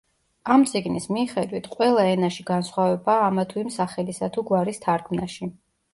ამ წიგნის მიხედვით, ყველა ენაში განსხვავებაა ამა თუ იმ სახელისა თუ გვარის თარგმნაში.